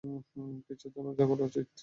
কিছু তো লজ্জা করা উচিত।